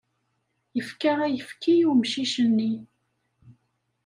Yefka ayefki i umcic-nni.